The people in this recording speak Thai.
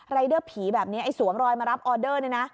รายเด้อผีแบบนี้ไอ้สวงรอยมารับออเดอร์เลยนะ